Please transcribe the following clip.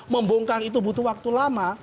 membongkar itu butuh waktu lama